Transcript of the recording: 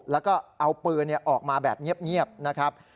แล้วก็เอาปืนออกมาแบบเงียบนะครับ